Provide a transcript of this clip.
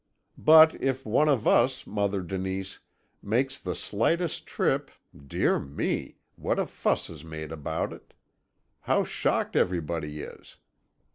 But if one of us, Mother Denise, makes the slightest trip, dear me! what a fuss is made about it how shocked everybody is!